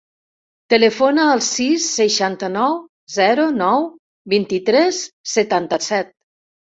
Telefona al sis, seixanta-nou, zero, nou, vint-i-tres, setanta-set.